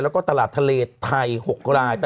แล้วก็ตลาดทะเลไทย๖ราย